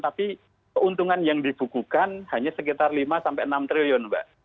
tapi keuntungan yang dibukukan hanya sekitar lima sampai enam triliun mbak